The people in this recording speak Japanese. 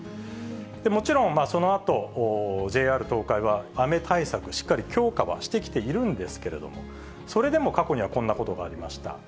もちろんそのあと、ＪＲ東海は、雨対策、しっかり強化はしてきているんですけれども、それでも過去にはこんなことがありました。